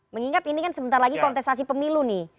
mengingat ini kan sebentar lagi kontestasi pemilu nih